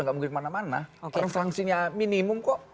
karena sanksinya minimum kok